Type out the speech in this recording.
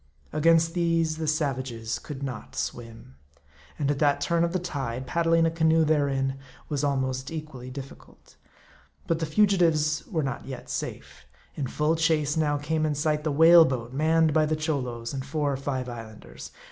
Against these, the savages could not swim. And at that turn of the tide, paddling a canoe therein was almost equally difficult. But the fugitives were not yet safe. In full chase now came in sight the whale boat manned by the Cholos, and four or five Islanders.